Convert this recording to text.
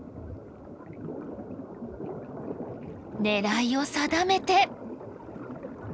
狙いを定めて。